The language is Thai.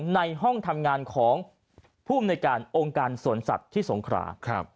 ในห้องทำงานของผู้อำนวยการองค์การสวนสัตว์ที่สงขรา